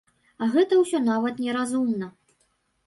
А гэта ўсё нават не разумна.